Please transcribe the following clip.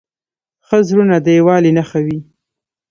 ښه زړونه د یووالي نښه وي.